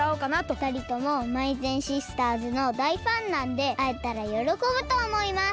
ふたりともまいぜんシスターズのだいファンなんであえたらよろこぶとおもいます。